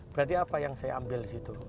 berarti apa yang saya ambil disitu